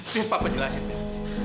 tuh papa jelasin